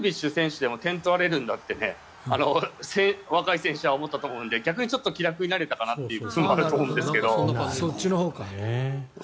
ダルビッシュ選手でも点を取られるんだって若い選手は思ったと思うので逆に気楽になれたかなというところはあると思うんですけど。